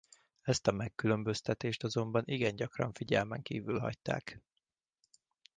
Ezt a megkülönböztetést azonban igen gyakran figyelmen kívül hagyták.